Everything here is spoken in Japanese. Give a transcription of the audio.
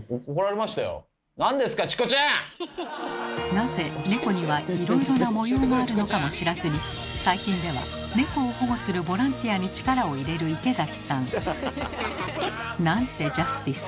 なぜ猫にはいろいろな模様があるのかも知らずに最近では猫を保護するボランティアに力を入れる池崎さん。なんてジャスティス。